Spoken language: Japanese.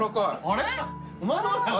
あれ？